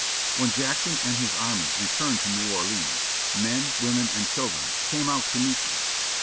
When Jackson and his army returned to New Orleans, men, women, and children came out to meet them.